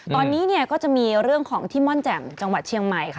ตอนนี้เนี่ยก็จะมีเรื่องของที่ม่อนแจ่มจังหวัดเชียงใหม่ค่ะ